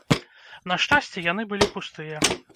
На шчасце, яны былі пустыя.